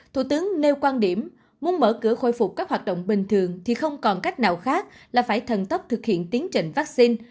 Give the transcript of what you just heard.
thủ tướng nêu quan điểm muốn mở cửa khôi phục các hoạt động bình thường thì không còn cách nào khác là phải thần tốc thực hiện tiến trình vaccine